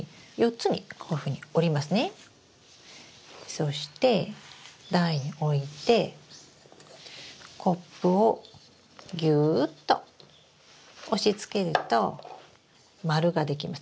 そして台に置いてコップをギューッと押しつけると丸が出来ます。